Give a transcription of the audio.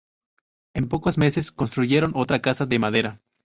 En pocos meses construyeron otra casa de madera.